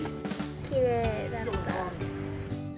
きれいだった。